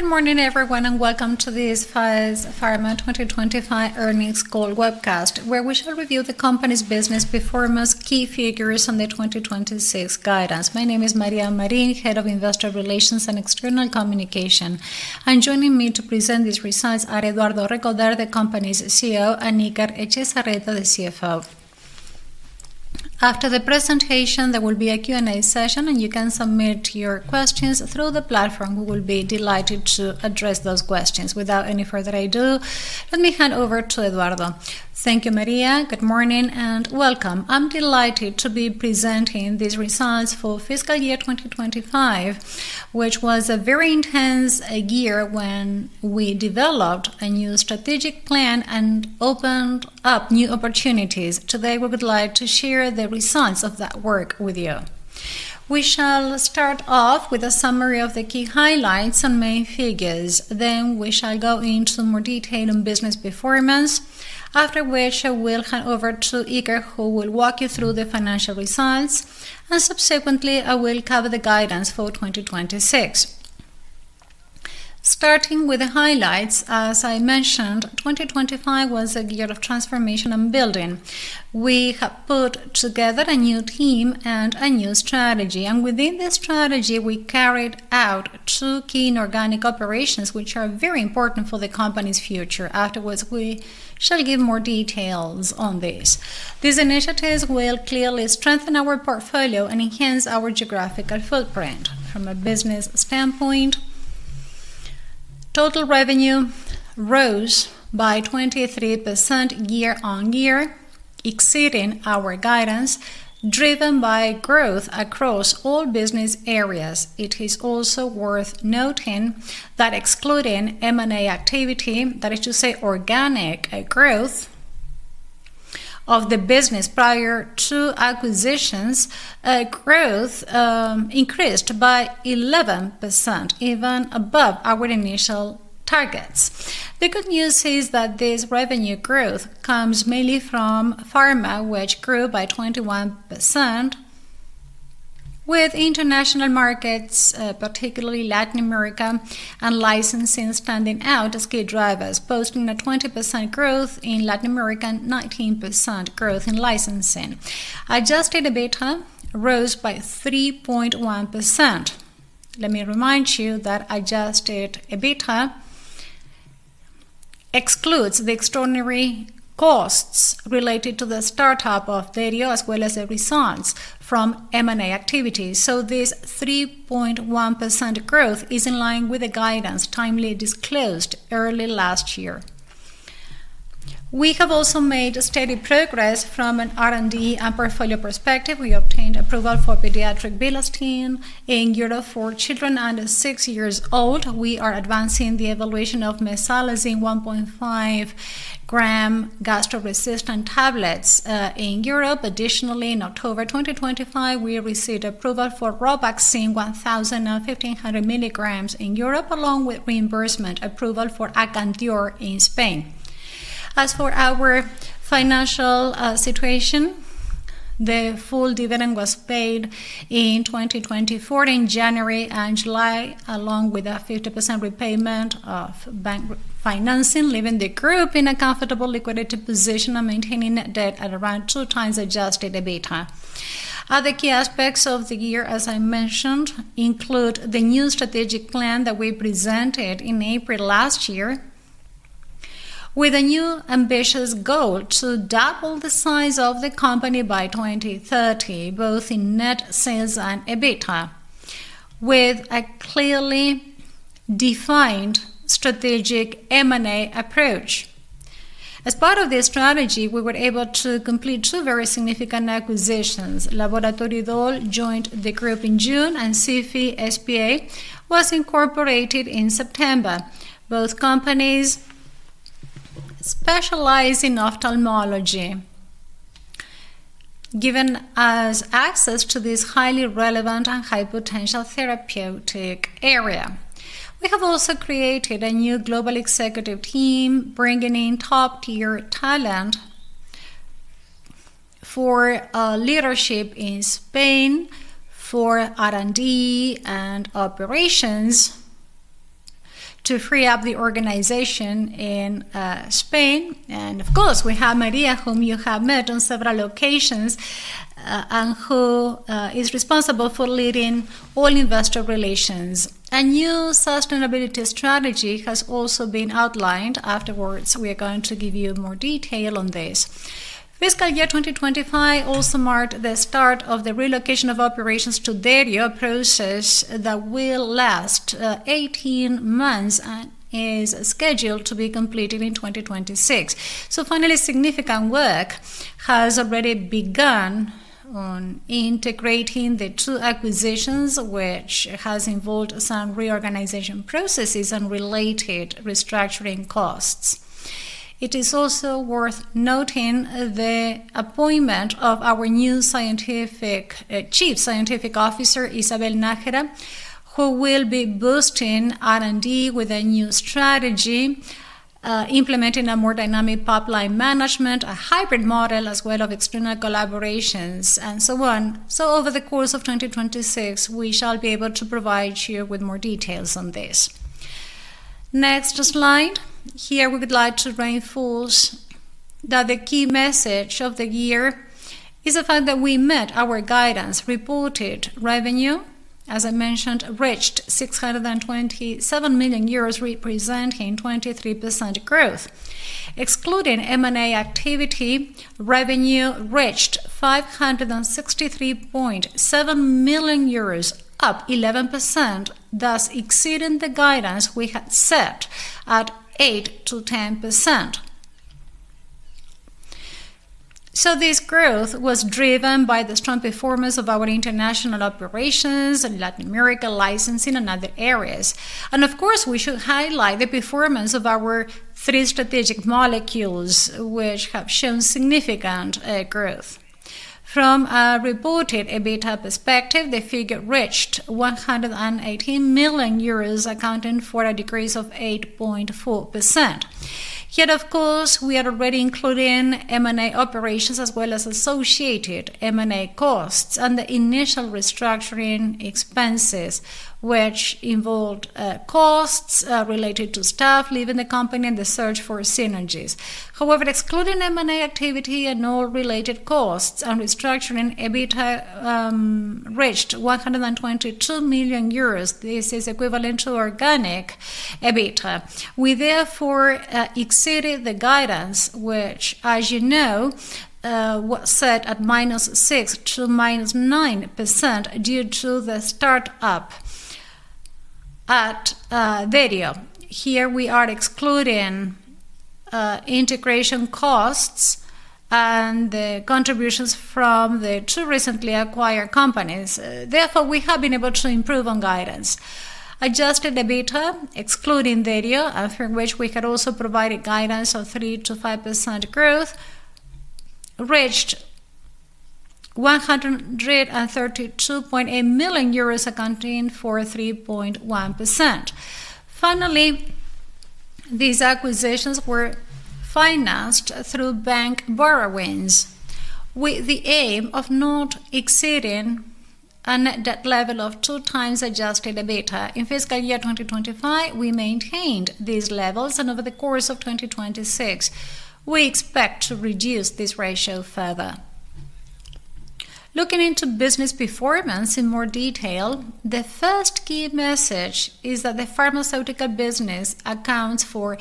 Good morning, everyone, and welcome to this Faes Farma 2025 Earnings Call Webcast, where we shall review the company's business performance, key figures, and the 2026 guidance. My name is María Marín, Head of Investor Relations and External Communication. Joining me to present these results are Eduardo Recoder, the company's CEO, and Iker Etxezarreta, the CFO. After the presentation, there will be a Q&A session, and you can submit your questions through the platform. We will be delighted to address those questions. Without any further ado, let me hand over to Eduardo. Thank you, María. Good morning and welcome. I'm delighted to be presenting these results for fiscal year 2025, which was a very intense year when we developed a new strategic plan and opened up new opportunities. Today, we would like to share the results of that work with you. We shall start off with a summary of the key highlights and main figures. We shall go into more detail on business performance. After which, I will hand over to Iker, who will walk you through the financial results, and subsequently, I will cover the guidance for 2026. Starting with the highlights, as I mentioned, 2025 was a year of transformation and building. We have put together a new team and a new strategy, and within this strategy, we carried out two key inorganic operations, which are very important for the company's future. We shall give more details on this. These initiatives will clearly strengthen our portfolio and enhance our geographical footprint. From a business standpoint, total revenue rose by 23% YoY, exceeding our guidance, driven by growth across all business areas. It is also worth noting that excluding M&A activity, that is to say, organic growth of the business prior to acquisitions, growth increased by 11%, even above our initial targets. The good news is that this revenue growth comes mainly from pharma, which grew by 21%, with international markets, particularly Latin America and licensing standing out as key drivers, posting a 20% growth in Latin America, 19% growth in licensing. Adjusted EBITDA rose by 3.1%. Let me remind you that adjusted EBITDA excludes the extraordinary costs related to the startup of Derio as well as the results from M&A activities. This 3.1% growth is in line with the guidance timely disclosed early last year. We have also made steady progress from an R&D and portfolio perspective. We obtained approval for pediatric bilastine in Europe for children under six years old. We are advancing the evolution of mesalazine 1.5 g gastro-resistant tablets in Europe. In October 2025, we received approval for Robaxin 1,000 and 1,500 mg in Europe, along with reimbursement approval for Akantior in Spain. Our financial situation, the full dividend was paid in 2024 in January and July, along with a 50% repayment of bank financing, leaving the group in a comfortable liquidity position and maintaining net debt at around two times adjusted EBITDA. Other key aspects of the year, as I mentioned, include the new strategic plan that we presented in April last year with a new ambitious goal to double the size of the company by 2030, both in net sales and EBITDA, with a clearly defined strategic M&A approach. As part of this strategy, we were able to complete two very significant acquisitions. Laboratório Edol joined the group in June and SIFI S.p.A. was incorporated in September. Both companies specialize in ophthalmology, giving us access to this highly relevant and high-potential therapeutic area. We have also created a new global executive team, bringing in top-tier talent for leadership in Spain for R&D and operations to free up the organization in Spain. Of course, we have María, whom you have met on several occasions, and who is responsible for leading all investor relations. A new sustainability strategy has also been outlined. Afterwards, we are going to give you more detail on this. Fiscal year 2025 also marked the start of the relocation of operations to Derio, a process that will last 18 months and is scheduled to be completed in 2026. Finally, significant work has already begun on integrating the two acquisitions, which has involved some reorganization processes and related restructuring costs. It is also worth noting the appointment of our new Chief Scientific Officer, Isabel Nájera, who will be boosting R&D with a new strategy, implementing a more dynamic pipeline management, a hybrid model as well of external collaborations, and so on. Over the course of 2026, we shall be able to provide you with more details on this. Next slide. Here we would like to reinforce that the key message of the year is the fact that we met our guidance reported revenue, as I mentioned, reached 627 million euros, representing 23% growth. Excluding M&A activity, revenue reached 563.7 million euros, up 11%, thus exceeding the guidance we had set at 8%-10%. This growth was driven by the strong performance of our international operations and Latin America licensing and other areas. Of course, we should highlight the performance of our three strategic molecules, which have shown significant growth. From a reported EBITDA perspective, the figure reached 118 million euros, accounting for a decrease of 8.4%. Here, of course, we are already including M&A operations as well as associated M&A costs and the initial restructuring expenses, which involved costs related to staff leaving the company and the search for synergies. However, excluding M&A activity and all related costs and restructuring, EBITDA reached 122 million euros. This is equivalent to organic EBITDA. We therefore exceeded the guidance, which as you know, was set at -6% to -9% due to the start-up at Derio. Here we are excluding integration costs and the contributions from the two recently acquired companies. We have been able to improve on guidance. Adjusted EBITDA, excluding Derio, and for which we had also provided guidance of 3%-5% growth, reached 132.8 million euros accounting for 3.1%. These acquisitions were financed through bank borrowings with the aim of not exceeding a net debt level of 2x adjusted EBITDA. In fiscal year 2025, we maintained these levels, and over the course of 2026, we expect to reduce this ratio further. Looking into business performance in more detail, the first key message is that the pharmaceutical business accounts for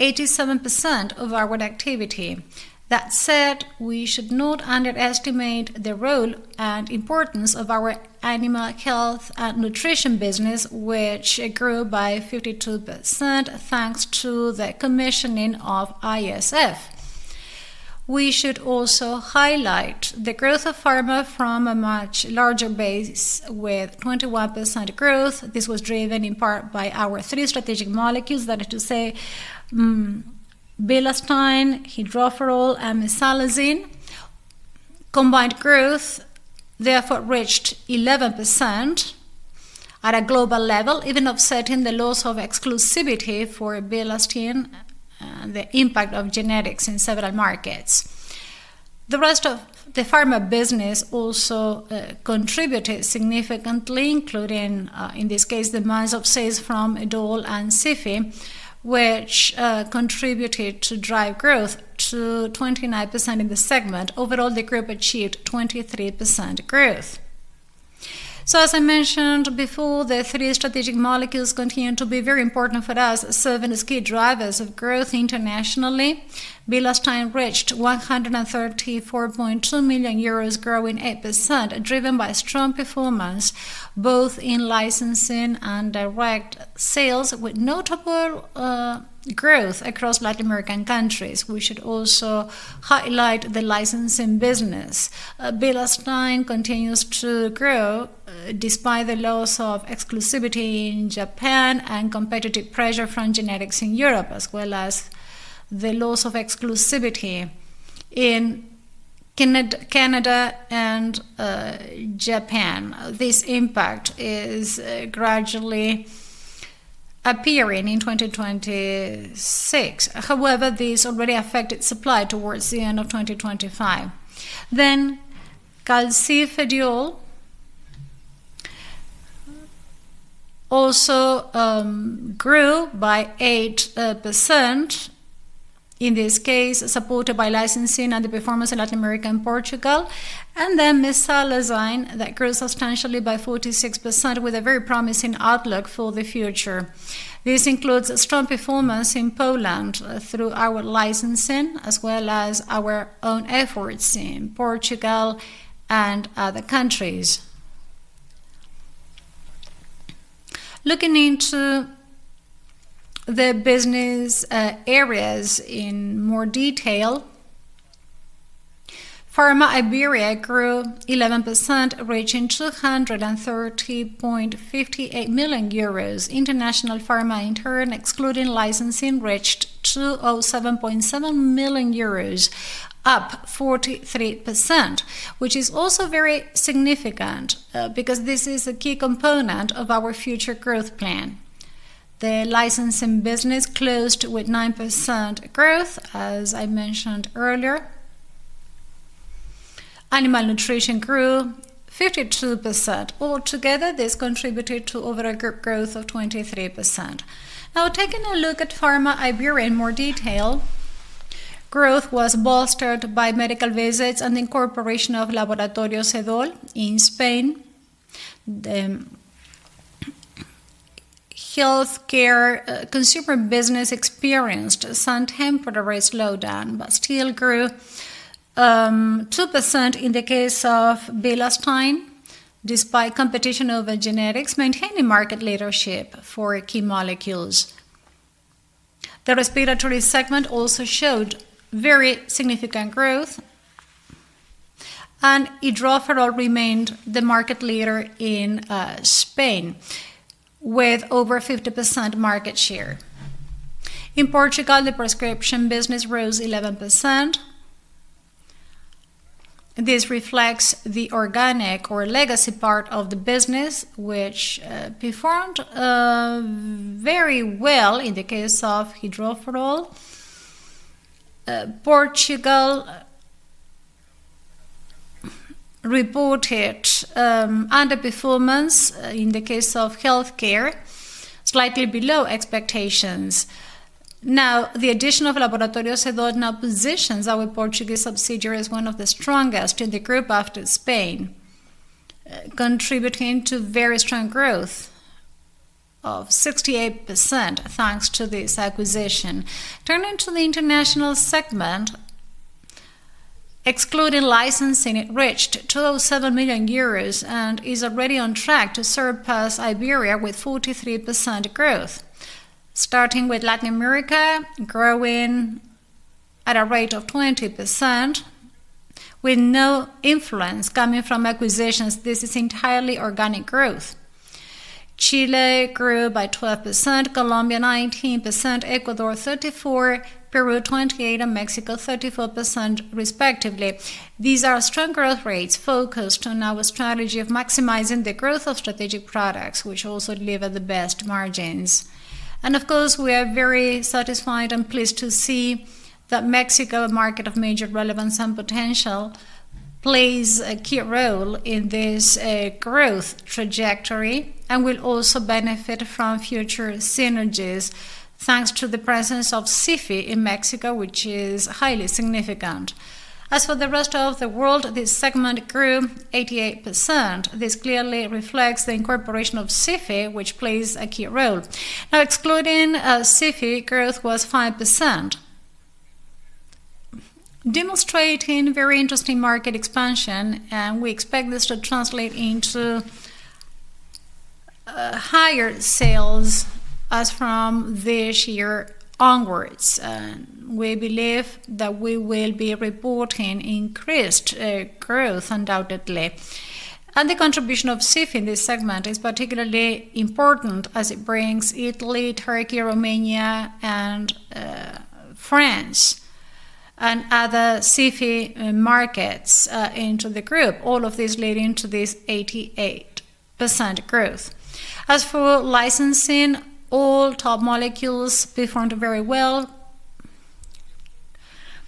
87% of our activity. That said, we should not underestimate the role and importance of our animal health and nutrition business, which grew by 52%, thanks to the commissioning of ISF. We should also highlight the growth of pharma from a much larger base with 21% growth. This was driven in part by our three strategic molecules, that is to say, bilastine, Hidroferol, and mesalazine. Combined growth therefore reached 11% at a global level, even offsetting the loss of exclusivity for bilastine and the impact of generics in several markets. The rest of the pharma business also contributed significantly, including, in this case, the miles of sales from Edol and SIFI, which contributed to drive growth to 29% in the segment. Overall, the group achieved 23% growth. As I mentioned before, the three strategic molecules continue to be very important for us, serving as key drivers of growth internationally. Bilastine reached 134.2 million euros, growing 8%, driven by strong performance both in licensing and direct sales with notable growth across Latin American countries. We should also highlight the licensing business. Bilastine continues to grow despite the loss of exclusivity in Japan and competitive pressure from generics in Europe, as well as the loss of exclusivity in Canada and Japan. This impact is gradually appearing in 2026. However, this already affected supply towards the end of 2025. Calcifediol also grew by 8%, in this case, supported by licensing and the performance in Latin America and Portugal. Mesalazine that grew substantially by 46% with a very promising outlook for the future. This includes strong performance in Poland through our licensing as well as our own efforts in Portugal and other countries. Looking into the business areas in more detail, pharma Iberia grew 11%, reaching 230.58 million euros. International pharma in turn, excluding licensing, reached 207.7 million euros, up 43%, which is also very significant because this is a key component of our future growth plan. The licensing business closed with 9% growth, as I mentioned earlier. Animal nutrition grew 52%. Altogether, this contributed to overall group growth of 23%. Taking a look at pharma Iberia in more detail, growth was bolstered by medical visits and incorporation of Laboratório Edol in Spain. The healthcare consumer business experienced some temporary slowdown, but still grew, 2% in the case of bilastine despite competition over generics, maintaining market leadership for key molecules. The respiratory segment also showed very significant growth, and Hidroferol remained the market leader in Spain with over 50% market share. In Portugal, the prescription business rose 11%. This reflects the organic or legacy part of the business, which performed very well in the case of Hidroferol. Portugal reported underperformance in the case of healthcare, slightly below expectations. The addition of Laboratório Edol now positions our Portuguese subsidiary as one of the strongest in the group after Spain, contributing to very strong growth of 68%, thanks to this acquisition. Turning to the international segment, excluding licensing, it reached 2.7 million euros and is already on track to surpass Iberia with 43% growth. Starting with Latin America, growing at a rate of 20% with no influence coming from acquisitions. This is entirely organic growth. Chile grew by 12%, Colombia 19%, Ecuador 34%, Peru 28%, and Mexico 34% respectively. These are strong growth rates focused on our strategy of maximizing the growth of strategic products, which also deliver the best margins. Of course, we are very satisfied and pleased to see that Mexico, a market of major relevance and potential, plays a key role in this growth trajectory and will also benefit from future synergies, thanks to the presence of SIFI in Mexico, which is highly significant. For the rest of the world, this segment grew 88%. This clearly reflects the incorporation of SIFI, which plays a key role. Now, excluding SIFI, growth was 5%, demonstrating very interesting market expansion, and we expect this to translate into higher sales as from this year onwards. We believe that we will be reporting increased growth undoubtedly. The contribution of SIFI in this segment is particularly important as it brings Italy, Turkey, Romania and France and other SIFI markets into the group, all of this leading to this 88% growth. As for licensing, all top molecules performed very well.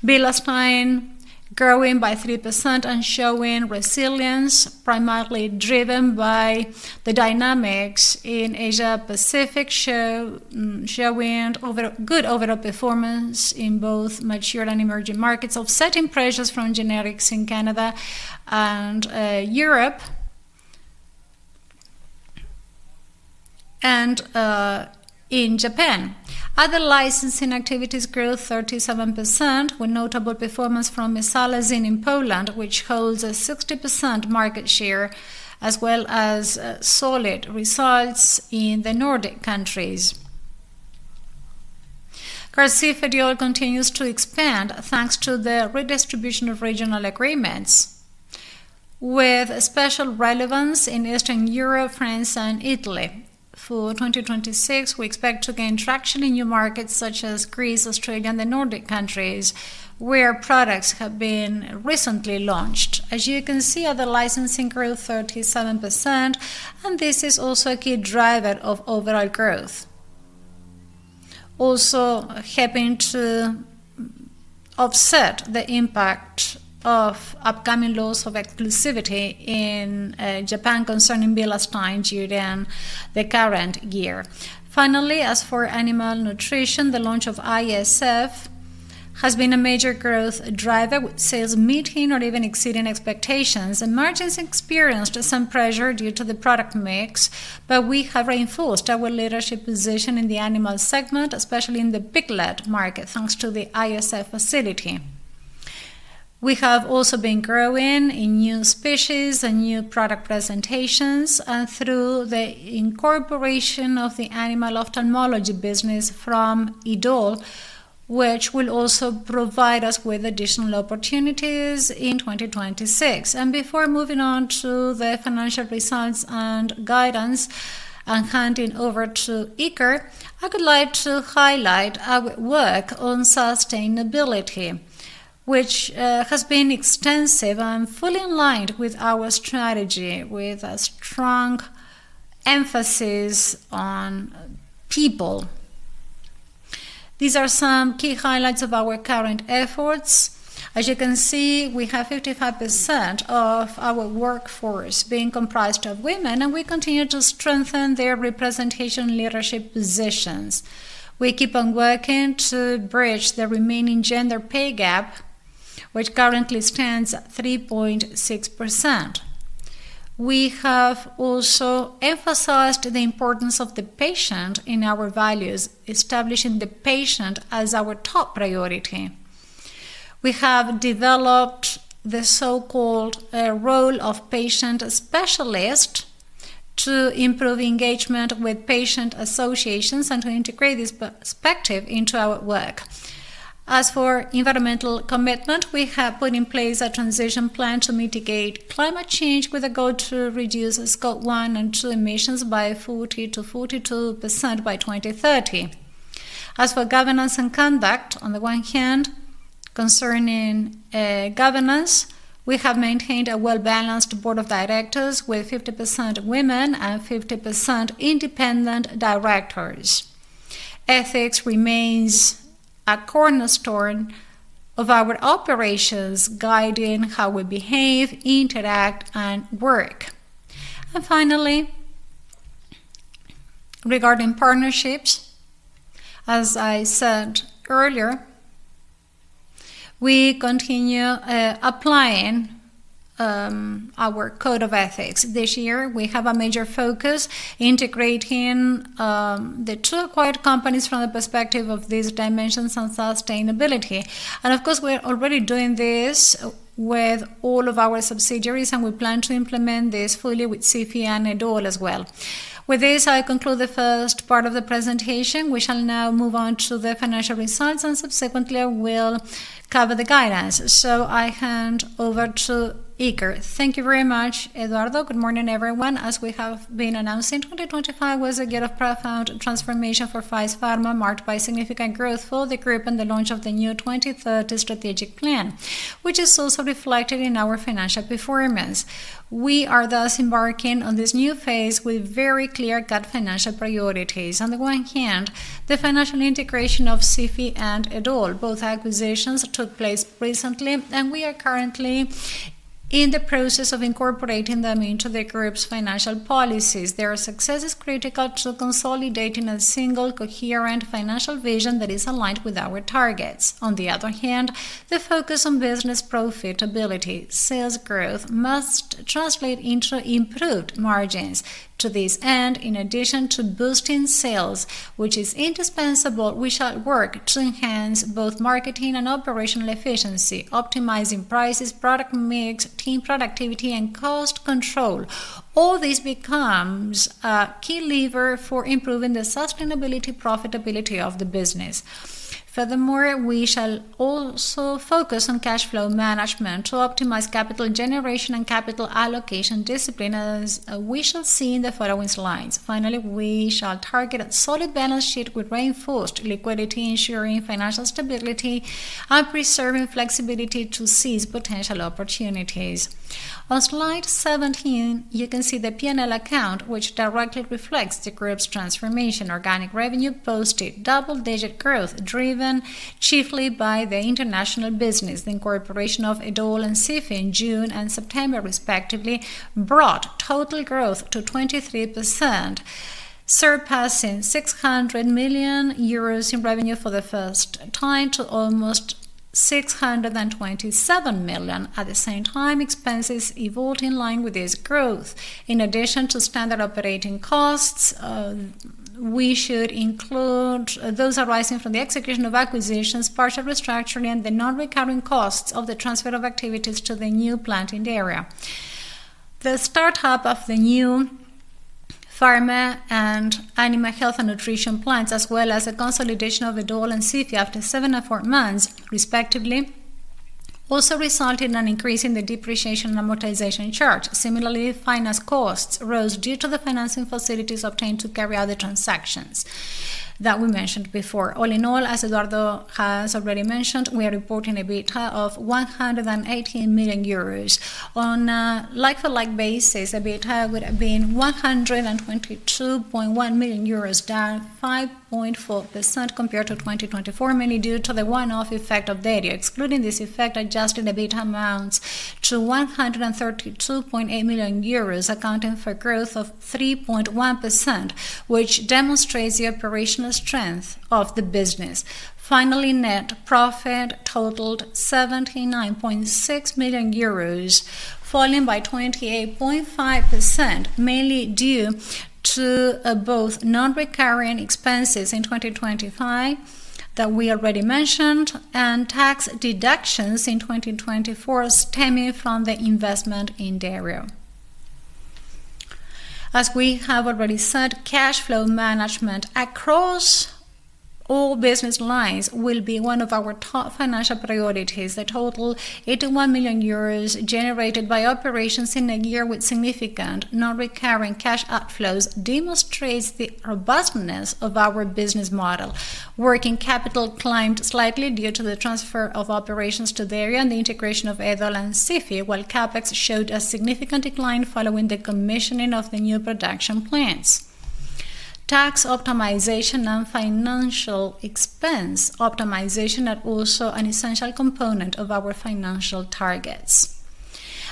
Bilastine growing by 3% and showing resilience primarily driven by the dynamics in Asia-Pacific, showing overall, good overall performance in both mature and emerging markets, offsetting pressures from generics in Canada and Europe and in Japan. Other licensing activities grew 37%, with notable performance from mesalazine in Poland, which holds a 60% market share, as well as solid results in the Nordic countries. Calcifediol continues to expand thanks to the redistribution of regional agreements with special relevance in Eastern Europe, France, and Italy. For 2026, we expect to gain traction in new markets such as Greece, Australia, and the Nordic countries, where products have been recently launched. As you can see, other licensing grew 37%, and this is also a key driver of overall growth. Also helping to offset the impact of upcoming loss of exclusivity in Japan concerning bilastine during the current year. Finally, as for animal nutrition, the launch of ISF has been a major growth driver with sales meeting or even exceeding expectations. Margins experienced some pressure due to the product mix, but we have reinforced our leadership position in the animal segment, especially in the piglet market, thanks to the ISF facility. We have also been growing in new species and new product presentations and through the incorporation of the animal ophthalmology business from Edol, which will also provide us with additional opportunities in 2026. Before moving on to the financial results and guidance and handing over to Iker, I would like to highlight our work on sustainability, which has been extensive and fully in line with our strategy with a strong emphasis on people. These are some key highlights of our current efforts. As you can see, we have 55% of our workforce being comprised of women, and we continue to strengthen their representation leadership positions. We keep on working to bridge the remaining gender pay gap, which currently stands at 3.6%. We have also emphasized the importance of the patient in our values, establishing the patient as our top priority. We have developed the so-called, role of patient specialist to improve engagement with patient associations and to integrate this perspective into our work. As for environmental commitment, we have put in place a transition plan to mitigate climate change with a goal to reduce Scope 1 and 2 emissions by 40%-42% by 2030. As for governance and conduct, on the one hand, concerning, governance, we have maintained a well-balanced board of directors with 50% women and 50% independent directors. Ethics remains a cornerstone of our operations, guiding how we behave, interact, and work. Finally, regarding partnerships, as I said earlier, we continue applying our code of ethics. This year we have a major focus integrating the two acquired companies from the perspective of these dimensions on sustainability. Of course, we're already doing this with all of our subsidiaries, and we plan to implement this fully with SIFI and Edol as well. With this, I conclude the first part of the presentation. We shall now move on to the financial results, and subsequently, I will cover the guidance. I hand over to Iker. Thank you very much, Eduardo. Good morning, everyone. As we have been announcing, 2025 was a year of profound transformation for Faes Farma, marked by significant growth for the group and the launch of the new 2030 strategic plan, which is also reflected in our financial performance. We are thus embarking on this new phase with very clear cut financial priorities. On the one hand, the financial integration of SIFI and Edol. Both acquisitions took place recently, and we are currently in the process of incorporating them into the group's financial policies. Their success is critical to consolidating a single coherent financial vision that is aligned with our targets. On the other hand, the focus on business profitability. Sales growth must translate into improved margins. To this end, in addition to boosting sales, which is indispensable, we shall work to enhance both marketing and operational efficiency, optimizing prices, product mix, team productivity, and cost control. All this becomes a key lever for improving the sustainability profitability of the business. Furthermore, we shall also focus on cash flow management to optimize capital generation and capital allocation discipline, as we shall see in the following slides. Finally, we shall target a solid balance sheet with reinforced liquidity, ensuring financial stability and preserving flexibility to seize potential opportunities. On slide 17, you can see the P&L account, which directly reflects the group's transformation. Organic revenue posted double-digit growth, driven chiefly by the international business. The incorporation of Edol and SIFI in June and September, respectively, brought total growth to 23%, surpassing 600 million euros in revenue for the first time to almost 627 million. At the same time, expenses evolved in line with this growth. In addition to standard operating costs, we should include those arising from the execution of acquisitions, partial restructuring, and the non-recurring costs of the transfer of activities to the new plant in Derio. The start-up of the new pharma and animal health and nutrition plants, as well as the consolidation of Edol and SIFI after seven and four months, respectively, also resulted in an increase in the depreciation amortization charge. Similarly, finance costs rose due to the financing facilities obtained to carry out the transactions that we mentioned before. All in all, as Eduardo has already mentioned, we are reporting a EBITDA of 118 million euros. On a like-to-like basis, EBITDA would have been 122.1 million euros, down 5.4% compared to 2024, mainly due to the one-off effect of Derio. Excluding this effect, adjusted EBITDA amounts to 132.8 million euros, accounting for growth of 3.1%, which demonstrates the operational strength of the business. Net profit totaled 79.6 million euros, falling by 28.5%, mainly due to both non-recurring expenses in 2025 that we already mentioned and tax deductions in 2024 stemming from the investment in Derio. As we have already said, cash flow management across all business lines will be one of our top financial priorities. The total 81 million euros generated by operations in a year with significant non-recurring cash outflows demonstrates the robustness of our business model. Working capital climbed slightly due to the transfer of operations to Derio and the integration of Edol and SIFI, while CapEx showed a significant decline following the commissioning of the new production plants. Tax optimization and financial expense optimization are also an essential component of our financial targets.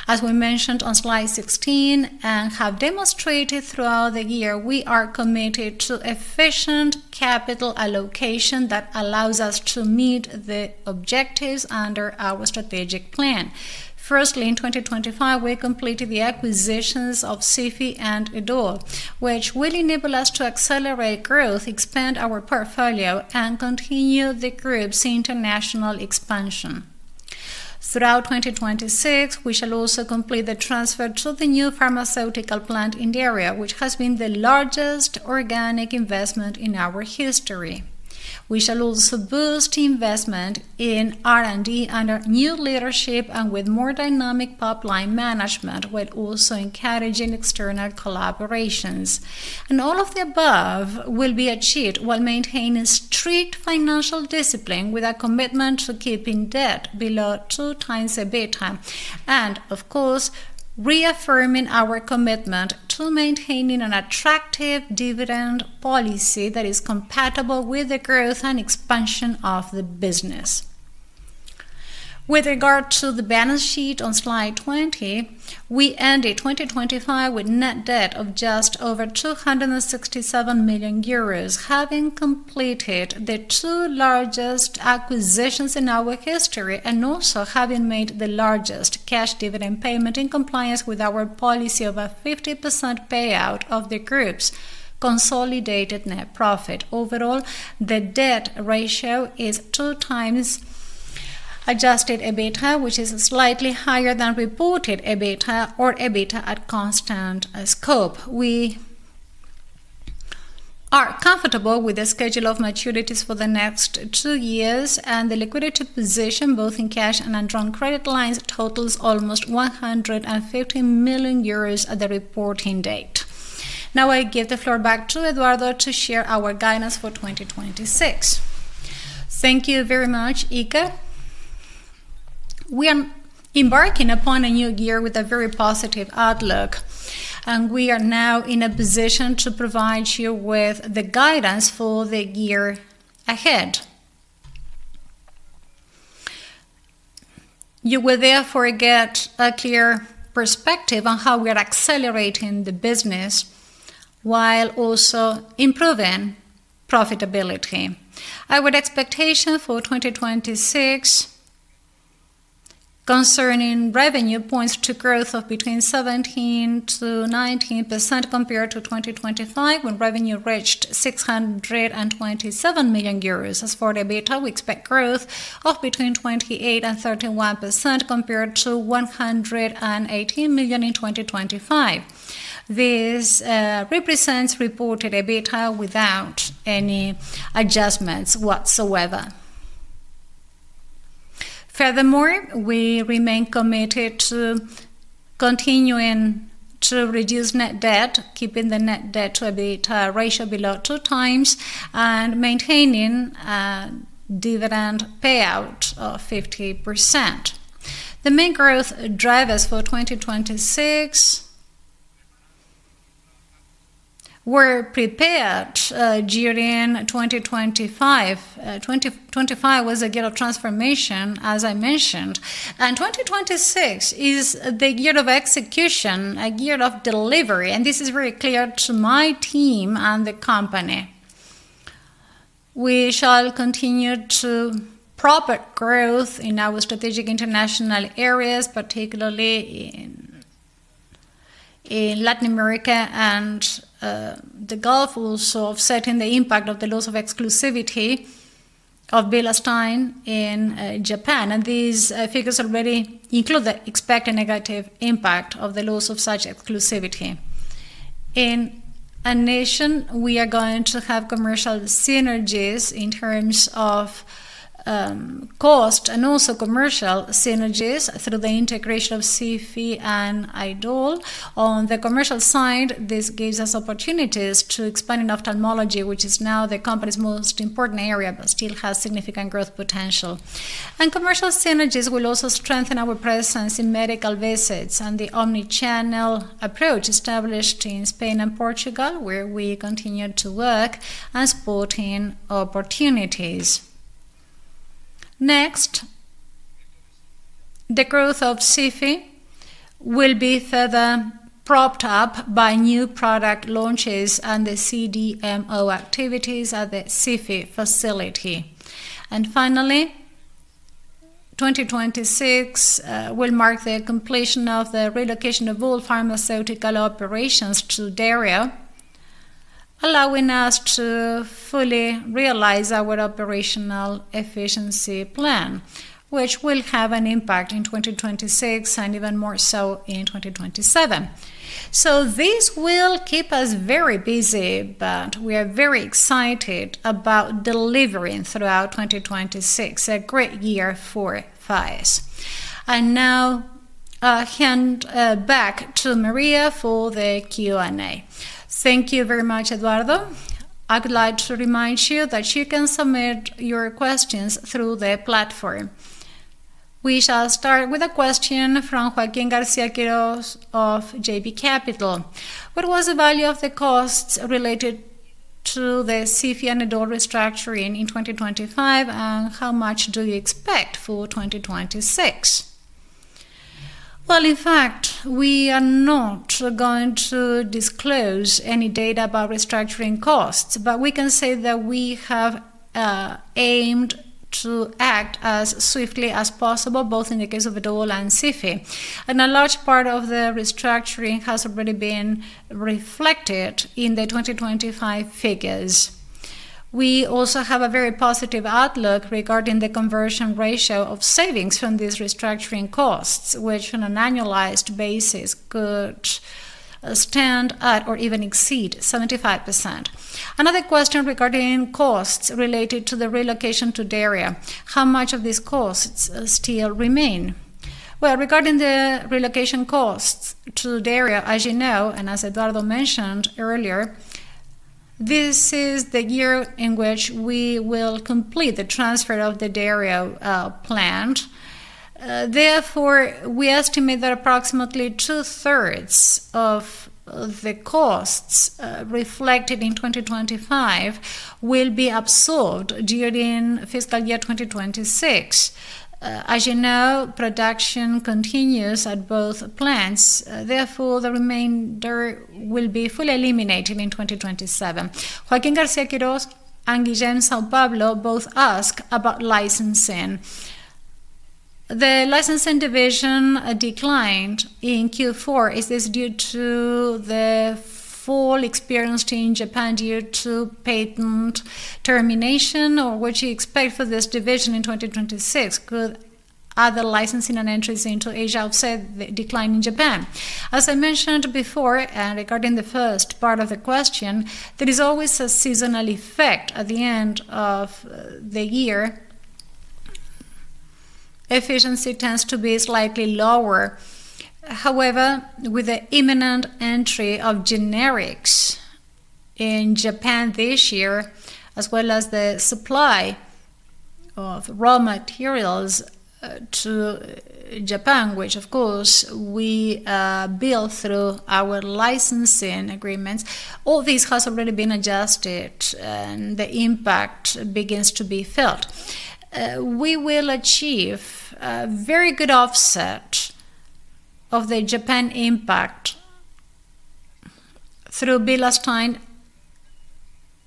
As we mentioned on slide 16, and have demonstrated throughout the year, we are committed to efficient capital allocation that allows us to meet the objectives under our strategic plan. Firstly, in 2025, we completed the acquisitions of SIFI and Edol, which will enable us to accelerate growth, expand our portfolio, and continue the group's international expansion. Throughout 2026, we shall also complete the transfer to the new pharmaceutical plant in Derio, which has been the largest organic investment in our history. We shall also boost investment in R&D under new leadership and with more dynamic pipeline management, while also encouraging external collaborations. All of the above will be achieved while maintaining strict financial discipline with a commitment to keeping debt below two times EBITDA, and of course, reaffirming our commitment to maintaining an attractive dividend policy that is compatible with the growth and expansion of the business. With regard to the balance sheet on slide 20, we ended 2025 with net debt of just over 267 million euros, having completed the two largest acquisitions in our history and also having made the largest cash dividend payment in compliance with our policy of a 50% payout of the group's consolidated net profit. Overall, the debt ratio is two times adjusted EBITDA, which is slightly higher than reported EBITDA or EBITDA at constant scope. We are comfortable with the schedule of maturities for the next two years, and the liquidity position, both in cash and undrawn credit lines, totals almost 150 million euros at the reporting date. I give the floor back to Eduardo to share our guidance for 2026. Thank you very much, Iker. We are embarking upon a new year with a very positive outlook, we are now in a position to provide you with the guidance for the year ahead. You will therefore get a clear perspective on how we are accelerating the business while also improving profitability. Our expectation for 2026 concerning revenue points to growth of between 17%-19% compared to 2025, when revenue reached 627 million euros. As for the EBITDA, we expect growth of between 28% and 31% compared to 118 million in 2025. This represents reported EBITDA without any adjustments whatsoever. Furthermore, we remain committed to continuing to reduce net debt, keeping the net debt-to-EBITDA ratio below two times, and maintaining a dividend payout of 50%. The main growth drivers for 2026 were prepared during 2025. 2025 was a year of transformation, as I mentioned, and 2026 is the year of execution, a year of delivery, and this is very clear to my team and the company. We shall continue to profit growth in our strategic international areas, particularly in Latin America and the Gulf, also offsetting the impact of the loss of exclusivity of bilastine in Japan. These figures already include the expected negative impact of the loss of such exclusivity. In a nation, we are going to have commercial synergies in terms of cost and also commercial synergies through the integration of SIFI and Edol. On the commercial side, this gives us opportunities to expand in ophthalmology, which is now the company's most important area, but still has significant growth potential. Commercial synergies will also strengthen our presence in medical visits and the omnichannel approach established in Spain and Portugal, where we continue to work and support in opportunities. The growth of SIFI will be further propped up by new product launches and the CDMO activities at the SIFI facility. Finally, 2026 will mark the completion of the relocation of all pharmaceutical operations to Derio, allowing us to fully realize our operational efficiency plan, which will have an impact in 2026 and even more so in 2027. This will keep us very busy, but we are very excited about delivering throughout 2026, a great year for Faes. I now hand back to María for the Q&A. Thank you very much, Eduardo. I would like to remind you that you can submit your questions through the platform. We shall start with a question from Joaquín García-Quirós of JB Capital. What was the value of the costs related to the SIFI and Edol restructuring in 2025, and how much do you expect for 2026? In fact, we are not going to disclose any data about restructuring costs, but we can say that we have aimed to act as swiftly as possible, both in the case of Edol and SIFI. A large part of the restructuring has already been reflected in the 2025 figures. We also have a very positive outlook regarding the conversion ratio of savings from these restructuring costs, which on an annualized basis could stand at or even exceed 75%. Another question regarding costs related to the relocation to Derio. How much of these costs still remain? Regarding the relocation costs to Derio, as you know, and as Eduardo mentioned earlier, this is the year in which we will complete the transfer of the Derio plant. Therefore, we estimate that approximately two-thirds of the costs reflected in 2025 will be absorbed during fiscal year 2026. As you know, production continues at both plants, therefore the remainder will be fully eliminated in 2027. Joaquín García-Quirós and Guillermo San Pablo both ask about licensing. The licensing division declined in Q4. Is this due to the full experience change upon due to patent termination, or what do you expect for this division in 2026? Could other licensing and entries into Asia offset the decline in Japan? As I mentioned before, regarding the first part of the question, there is always a seasonal effect at the end of the year. Efficiency tends to be slightly lower. With the imminent entry of generics in Japan this year, as well as the supply of raw materials to Japan, which of course we build through our licensing agreements, all this has already been adjusted and the impact begins to be felt. We will achieve a very good offset of the Japan impact through bilastine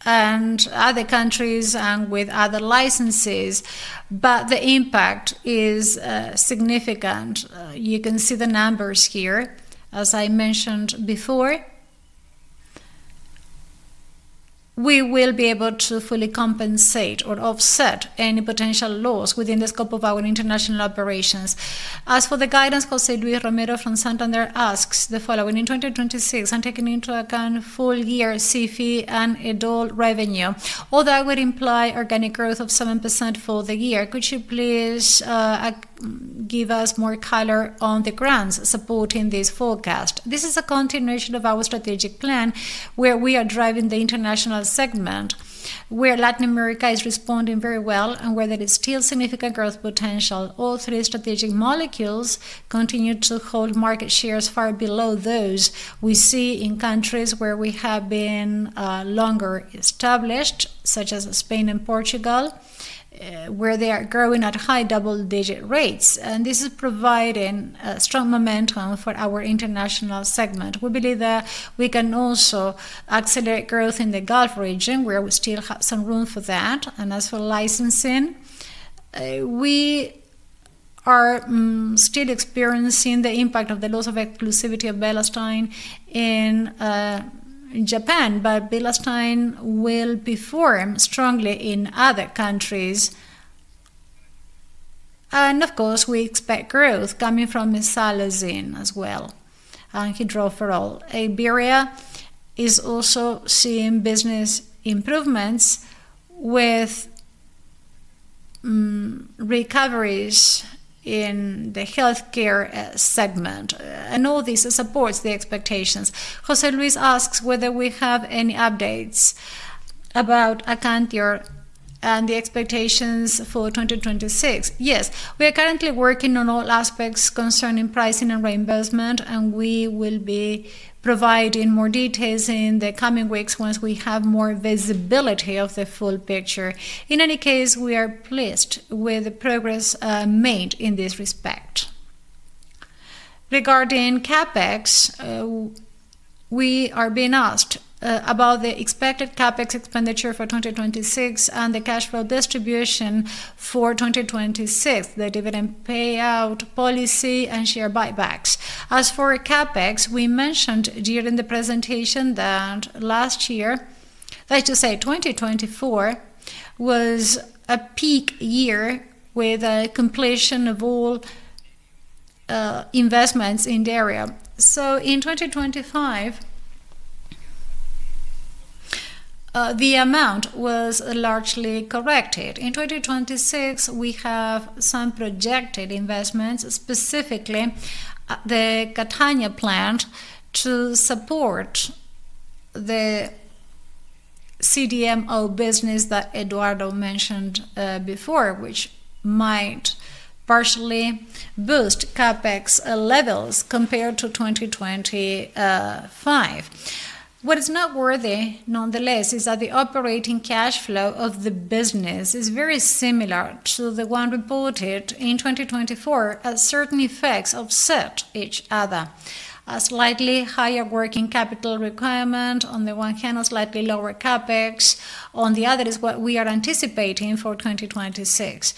and other countries and with other licenses, but the impact is significant. You can see the numbers here. As I mentioned before, we will be able to fully compensate or offset any potential loss within the scope of our international operations. As for the guidance, José Luis Romero from Santander asks the following: In 2026, and taking into account full year SIFI and Edol revenue, although it would imply organic growth of 7% for the year, could you please give us more color on the grounds supporting this forecast? This is a continuation of our strategic plan, where we are driving the international segment, where Latin America is responding very well and where there is still significant growth potential. All three strategic molecules continue to hold market shares far below those we see in countries where we have been longer established, such as Spain and Portugal, where they are growing at high double-digit rates. This is providing strong momentum for our international segment. We believe that we can also accelerate growth in the Gulf region, where we still have some room for that. As for licensing, we are still experiencing the impact of the loss of exclusivity of bilastine in Japan, but bilastine will perform strongly in other countries. Of course, we expect growth coming from mesalazine as well. Hidroferol. Iberia is also seeing business improvements with recoveries in the healthcare segment. All this supports the expectations. José Luis asks whether we have any updates about Akantior and the expectations for 2026. Yes. We are currently working on all aspects concerning pricing and reimbursement, and we will be providing more details in the coming weeks once we have more visibility of the full picture. In any case, we are pleased with the progress made in this respect. Regarding CapEx, we are being asked about the expected CapEx expenditure for 2026 and the cash flow distribution for 2026, the dividend payout policy and share buybacks. For CapEx, we mentioned during the presentation that last year, that is to say 2024, was a peak year with the completion of all investments in Derio. In 2025, the amount was largely corrected. In 2026, we have some projected investments, specifically at the Catania plant, to support the CDMO business that Eduardo mentioned before, which might partially boost CapEx levels compared to 2025. What is noteworthy, nonetheless, is that the operating cash flow of the business is very similar to the one reported in 2024 as certain effects offset each other. A slightly higher working capital requirement on the one hand, a slightly lower CapEx on the other, is what we are anticipating for 2026.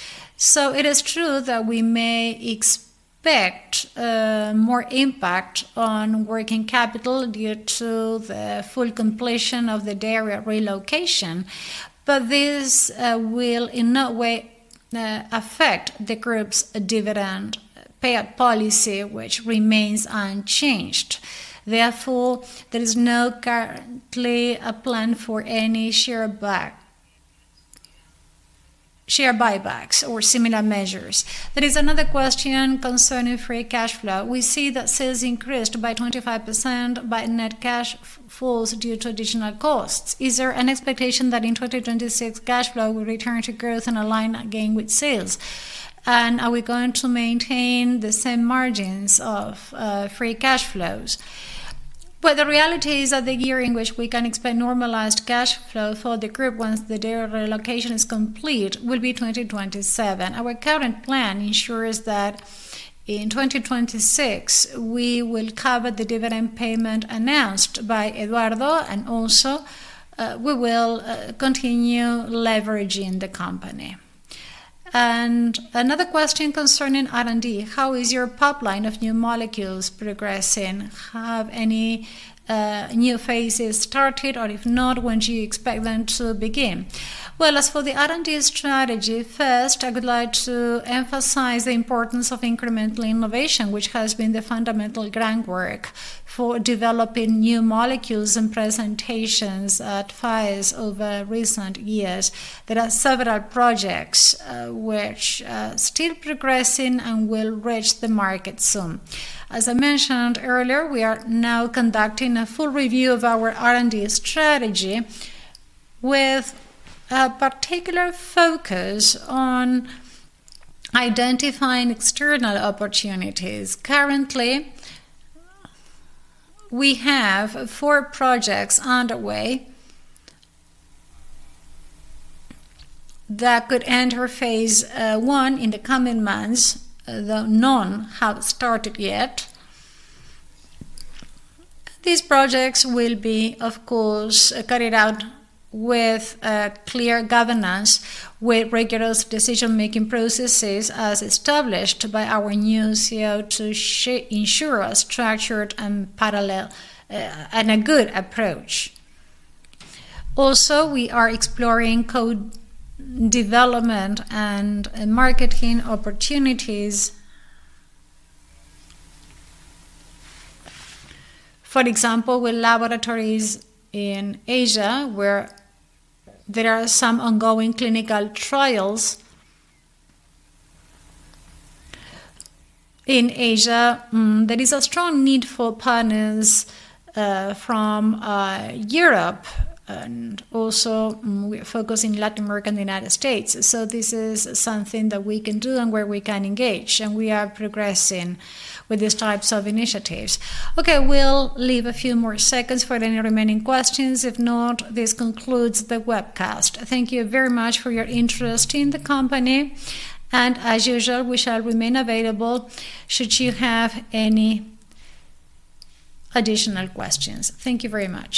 It is true that we may expect more impact on working capital due to the full completion of the Derio relocation, but this will in no way affect the group's dividend payout policy, which remains unchanged. Therefore, there is no currently a plan for any share buybacks or similar measures. There is another question concerning free cash flow. We see that sales increased by 25%, but net cash falls due to additional costs. Is there an expectation that in 2026, cash flow will return to growth and align again with sales? Are we going to maintain the same margins of free cash flows? Well, the reality is that the year in which we can expect normalized cash flow for the group once the Derio relocation is complete, will be 2027. Our current plan ensures that in 2026, we will cover the dividend payment announced by Eduardo, and also, we will continue leveraging the company. Another question concerning R&D. How is your pipeline of new molecules progressing? Have any new phases started, or if not, when do you expect them to begin? Well, as for the R&D strategy, first, I would like to emphasize the importance of incremental innovation, which has been the fundamental groundwork for developing new molecules and presentations at Faes over recent years. There are several projects which are still progressing and will reach the market soon. As I mentioned earlier, we are now conducting a full review of our R&D strategy with a particular focus on identifying external opportunities. Currently, we have four projects underway that could enter phase I in the coming months, though none have started yet. These projects will be, of course, carried out with a clear governance, with rigorous decision-making processes, as established by our new CEO to ensure a structured and parallel and a good approach. We are exploring code development and marketing opportunities. For example, with laboratories in Asia, where there are some ongoing clinical trials. In Asia, there is a strong need for partners from Europe and also focused in Latin America and the United States. This is something that we can do and where we can engage, and we are progressing with these types of initiatives. Okay, we'll leave a few more seconds for any remaining questions. If not, this concludes the webcast. Thank you very much for your interest in the company. As usual, we shall remain available should you have any additional questions. Thank you very much.